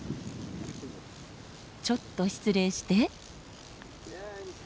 ちょっと失礼して。